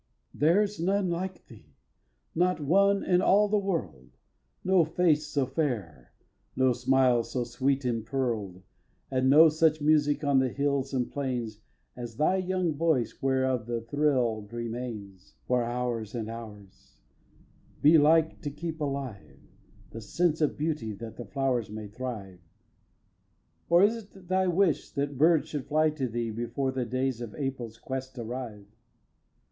xii. There's none like thee, not one in all the world; No face so fair, no smile so sweet impearl'd, And no such music on the hills and plains As thy young voice whereof the thrill remains For hours and hours, belike to keep alive The sense of beauty that the flowers may thrive. Or is't thy wish that birds should fly to thee Before the days of April's quest arrive?